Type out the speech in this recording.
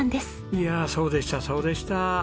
いやあそうでしたそうでした。